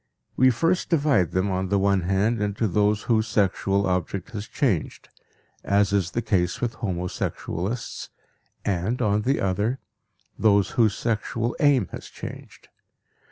We first divide them, on the one hand, into those whose sexual object has changed, as is the case with homosexualists, and, on the other, those whose sexual aim has changed.